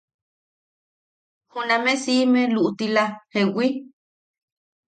Juname siʼime luʼutila ¿jewi?